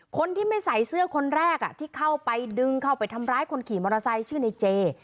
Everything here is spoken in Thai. คนที่ไม่ใส่เสื้อคนแรกที่เข้าไปดึงเข้าไปทำร้ายคนขี่มอเตอร์ไซค์ชื่อในเจ